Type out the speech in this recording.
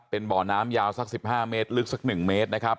เป็นบ่อน้ำยาวสัก๑๕เมตรลึกสัก๑เมตรนะครับ